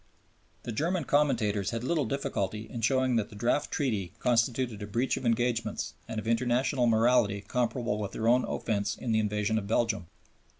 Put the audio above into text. The German commentators had little difficulty in showing that the draft Treaty constituted a breach of engagements and of international morality comparable with their own offense in the invasion of Belgium.